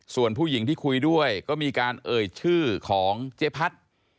ส่วนผู้หญิงที่คุยด้วยก็มีการเอ่ยชื่อของเจ๊พัด